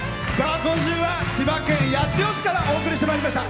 今週は千葉県八千代市からお送りしてまいりました。